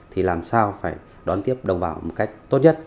thì làm sao phải đón tiếp đồng vào một cách tốt nhất